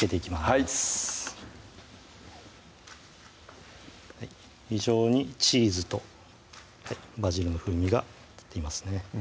はい非常にチーズとバジルの風味が出ていますね